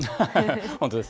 本当ですね。